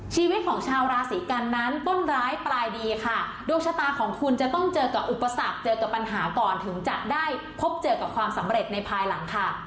ชีวิตของชาวราศีกันนั้นต้นร้ายปลายดีค่ะดวงชะตาของคุณจะต้องเจอกับอุปสรรคเจอกับปัญหาก่อนถึงจะได้พบเจอกับความสำเร็จในภายหลังค่ะ